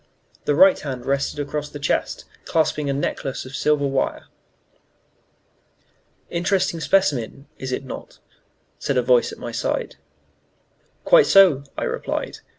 The right hand rested across the chest, clasping a necklace of silver wire. "Interesting specimen, is it not?" said a voice at my side. "Quite so," I replied.